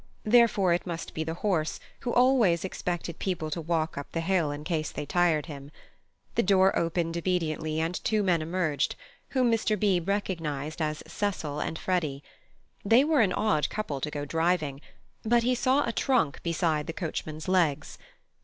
Therefore it must be the horse, who always expected people to walk up the hill in case they tired him. The door opened obediently, and two men emerged, whom Mr. Beebe recognized as Cecil and Freddy. They were an odd couple to go driving; but he saw a trunk beside the coachman's legs.